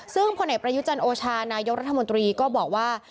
ซึ่งผลเอกประยุจันโอชานายกรัฐมนตรีก็บอกว่า